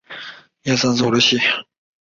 拉芒辛讷人口变化图示